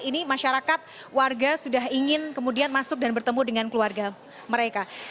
ini masyarakat warga sudah ingin kemudian masuk dan bertemu dengan keluarga mereka